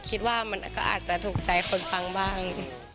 คิดว่ามันก็อาจจะถูกใจคนฟังบ้าง